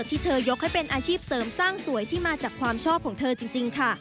ที่เธอยกให้เป็นอาชีพเสริมสร้างสวยที่มาจากความชอบของเธอจริงค่ะ